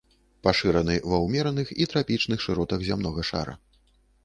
Пашыраны ва ўмераных і трапічных шыротах зямнога шара.